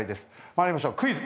参りましょうクイズ。